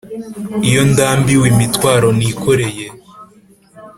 iyo ndambiwe imitwaro nikoreye,